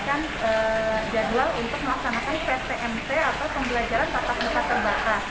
ini mendapatkan jadwal untuk melaksanakan ptmt atau pembelajaran tetap muka terbatas